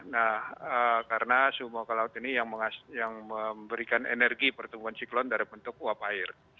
nah karena suhu muka laut ini yang memberikan energi pertumbuhan siklon dari bentuk uap air